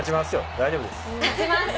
大丈夫です。